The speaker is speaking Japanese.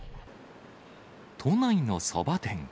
都内のそば店。